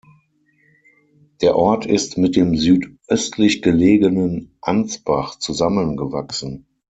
Der Ort ist mit dem südöstlich gelegenen Ansbach zusammengewachsen.